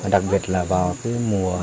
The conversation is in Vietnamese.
đặc biệt là vào cái mùa